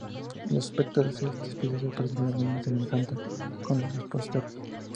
El aspecto de de estas piezas presenta alguna semejanza con los reposteros.